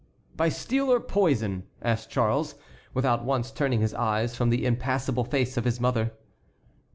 "By steel or poison?" asked Charles, without once turning his eyes from the impassible face of his mother.